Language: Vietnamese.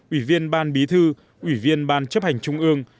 ủy viên ban bí thư ủy viên ban chấp hành trung ương